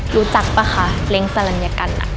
รู้จักป่ะคะเล้งสรรญากันอ่ะ